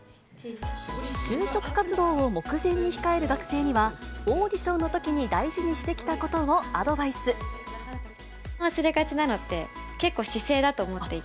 就職活動を目前に控える学生には、オーディションのときに大事にし忘れがちなのって、結構、姿勢だと思っていて。